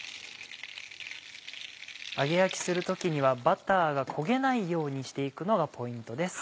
揚げ焼きする時にはバターが焦げないようにして行くのがポイントです。